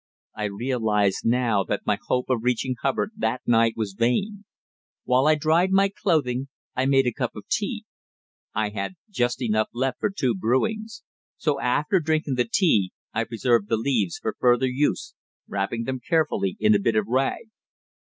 I realised now that my hope of reaching Hubbard that night was vain. While I dried my clothing, I made a cup of tea. I had just enough left for two brewings, so after drinking the tea I preserved the leaves for further use, wrapping them carefully in a bit of rag.